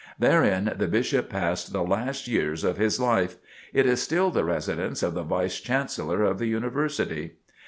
Therein the Bishop passed the last years of his life. It is still the residence of the Vice Chancellor of the University.